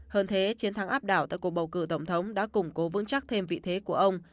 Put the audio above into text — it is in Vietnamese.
hơn thế chiến thắng áp đảo tại cuộc bầu cử tổng thống đã củng cố vững chắc thêm vị thế của ông